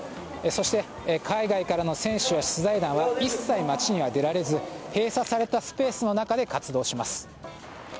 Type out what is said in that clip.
そして、海外からの選手や取材団は一切街には出られず閉鎖されたスペースの中で活動をします。